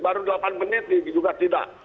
baru delapan menit diduga tidak